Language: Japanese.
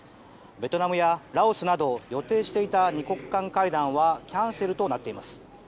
ベトナムやラオスなど予定していた２国間会談はキャンセルとなっています。